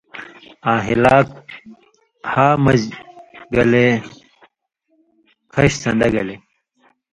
آں ہِلاک ہا مژ گلے کھݜیۡ سݩدہ گلے